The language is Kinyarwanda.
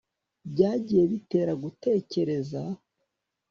byagiye bitera gutekereza